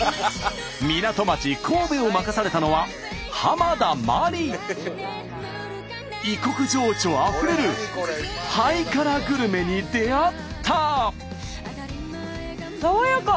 港町神戸を任されたのは異国情緒あふれるハイカラグルメに出会った。